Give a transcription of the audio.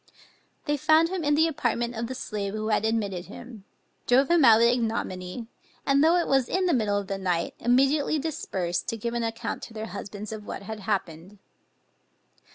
They found him in the apartment of the slave who had admitted him, drove him out with ignominy, and, though it was in the middle of the night immediately dispersed, to give an account to their husbands of what had happened.